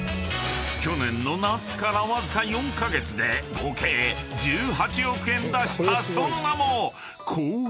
［去年の夏からわずか４カ月で合計１８億円出したその名も］